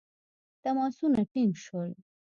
تماسونه ټینګ شول.